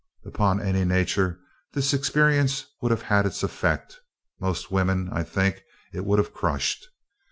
"Upon any nature this experience would have had its effect most women, I think, it would have crushed.